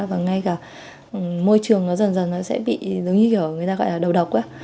và ngay cả môi trường nó dần dần nó sẽ bị giống như kiểu người ta gọi là đầu độc